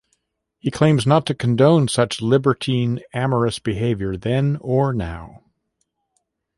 He claims not to condone such libertine, amorous behavior then or now.